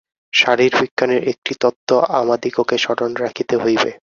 শারীরবিজ্ঞানের একটি তত্ত্ব আমাদিগকে স্মরণ রাখিতে হইবে।